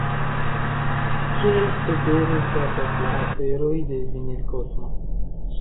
Kiel cetere statas la aferoj de Vinilkosmo?